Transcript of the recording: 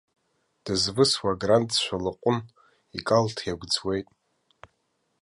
Дызвысуа аграндцәа лаҟән икалҭ иагәӡуеит.